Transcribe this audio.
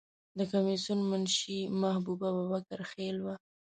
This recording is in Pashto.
د کمیسیون منشی محبوبه بابکر خیل وه.